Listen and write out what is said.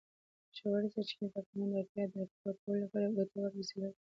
ژورې سرچینې د افغانانو د اړتیاوو د پوره کولو لپاره یوه ګټوره وسیله ده.